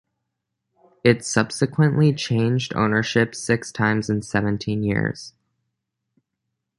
It subsequently changed ownership six times in seventeen years.